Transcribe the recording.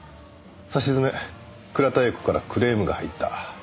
さしずめ倉田映子からクレームが入った。